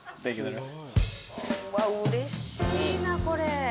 うれしいなこれ。